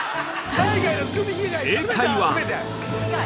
◆正解は◆